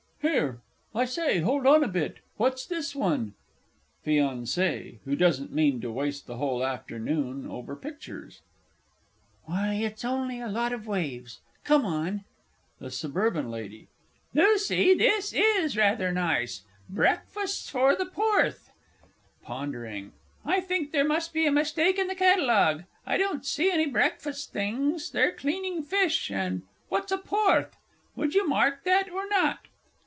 Here, I say, hold on a bit what's this one? FIANCÉE (who doesn't mean to waste the whole afternoon over pictures). Why, it's only a lot of waves come on! THE SUBURBAN L. Lucy, this is rather nice. "Breakfasts for the Porth!" (Pondering). I think there must be a mistake in the Catalogue I don't see any breakfast things they're cleaning fish, and what's a "Porth!" Would you mark that or not?